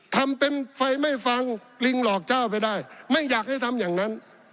ทำเป็นไฟไม่ฟังลิงหลอกเจ้าไม่ได้ไม่อยากให้ทำอย่างนั้น